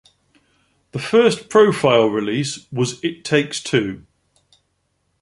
The first Profile release was It Takes Two.